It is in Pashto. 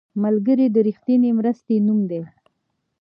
ملګری د رښتینې مرستې نوم دی